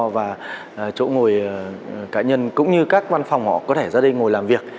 và chỗ ngồi cá nhân cũng như các văn phòng họ có thể ra đây ngồi làm việc